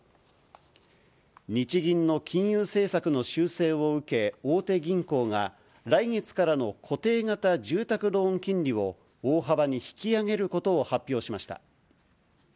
日銀の金融政策の修正を受け、大手銀行が、来月からの固定型住宅ローン金利を大幅に引き上げることを発表しました。